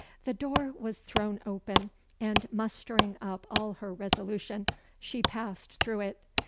The door was thrown open, and mustering up all her resolution, she passed through it.